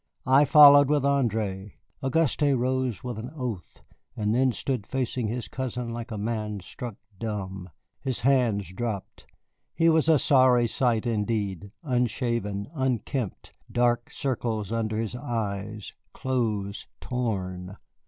I followed with André. Auguste rose with an oath, and then stood facing his cousin like a man struck dumb, his hands dropped. He was a sorry sight indeed, unshaven, unkempt, dark circles under his eyes, clothes torn.